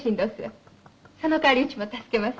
「その代わりうちも助けます」